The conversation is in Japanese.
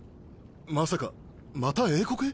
まさかまた英国へ？